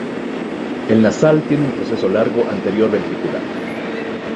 El nasal tiene un proceso largo anterior ventricular.